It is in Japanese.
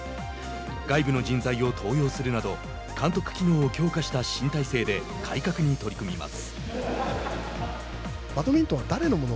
外部の人材を登用するなど監督機能を強化した新体制で改革に取り組みます。